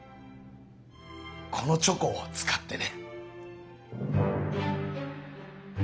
このチョコを使ってね。